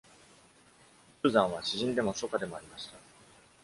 中山は詩人でも書家でもありました。